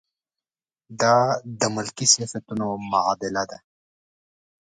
دا د ملکي سیاستونو معادله ده.